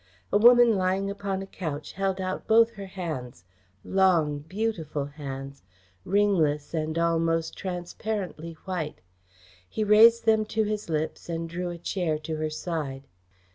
A woman lying upon a couch held out both her hands; long, beautiful hands, ringless and almost transparently white. He raised them to his lips and drew a chair to her side.